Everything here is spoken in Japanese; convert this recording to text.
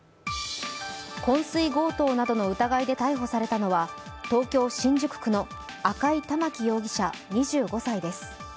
昏睡強盗などの疑いで逮捕されたのは東京・新宿区の赤井環容疑者２５歳です。